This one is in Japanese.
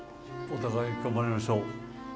お互い頑張りましょう。